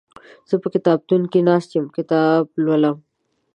زه په کتابتون کې ناست يم کتاب لولم